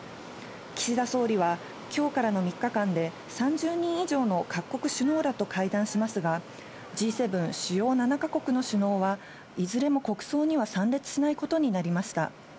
岸田総理は、きょうからの３日間で、３０人以上の各国首脳らと会談しますが、Ｇ７・主要７か国の首脳は、いずれも国葬には参列しないことになりました。